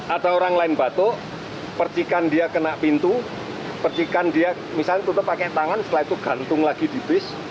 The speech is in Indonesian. ada orang lain batuk percikan dia kena pintu percikan dia misalnya tutup pakai tangan setelah itu gantung lagi di bis